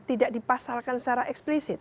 tidak dipasarkan secara eksplisit